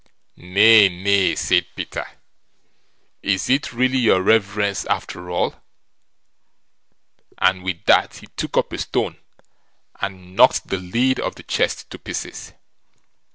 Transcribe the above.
"Nay, nay", said Peter; "is it really your reverence after all"; and with that he took up a stone, and knocked the lid of the chest to pieces.